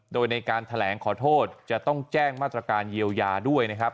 โดยในการแถลงขอโทษจะต้องแจ้งมาตรการเยียวยาด้วยนะครับ